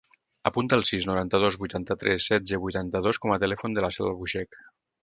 Apunta el sis, noranta-dos, vuitanta-tres, setze, vuitanta-dos com a telèfon de la Cel Albuixech.